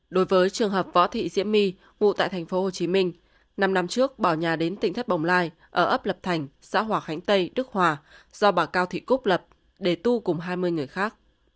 đối với trường hợp võ thị diễm my ngụ tại tp hcm năm năm trước bỏ nhà đến tỉnh thất bồng lai ở ấp lập thành xã hòa khánh tây đức hòa do bà cao thị cúc lập để tu cùng hai mươi người khác